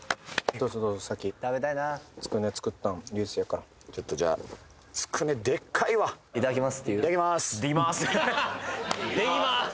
どうぞどうぞ先つくね作ったん流星やからちょっとじゃあつくねでっかいわ「でぎます」ははっ「でぎます」